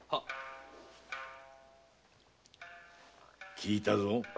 聞いたぞ。